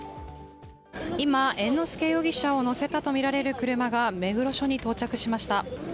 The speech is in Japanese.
今、猿之助容疑者を乗せたとみられる車が目黒署に到着しました。